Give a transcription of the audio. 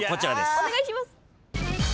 お願いします！